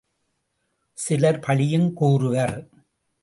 சிலர் பழியுங் கூறுவர்.